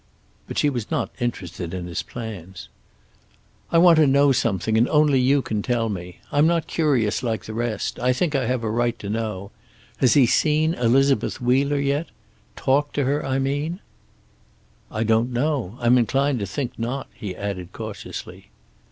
But she was not interested in his plans. "I want to know something, and only you can tell me. I'm not curious like the rest; I think I have a right to know. Has he seen Elizabeth Wheeler yet? Talked to her, I mean?" "I don't know. I'm inclined to think not," he added cautiously.